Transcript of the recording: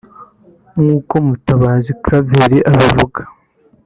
nk’uko Mutabazi Claver abivuga